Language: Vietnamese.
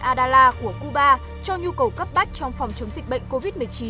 adala của cuba cho nhu cầu cấp bách trong phòng chống dịch bệnh covid một mươi chín